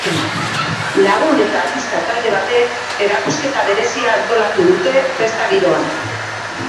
Lagun eta artista talde batek erakusketa berezia antolatu dute, festa giroan.